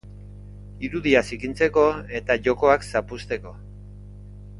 Irudia zikintzeko eta jokoak zapuzteko.